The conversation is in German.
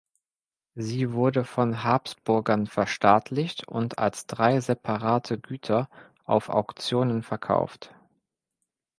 Sie wurde von Habsburgern verstaatlicht und als drei separate Güter auf Auktionen verkauft.